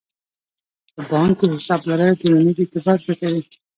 په بانک کې حساب لرل ټولنیز اعتبار زیاتوي.